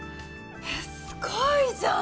えすごいじゃん！